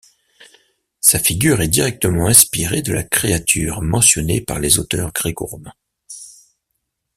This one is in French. Sa figure est directement inspirée de la créature mentionnée par les auteurs greco-romains.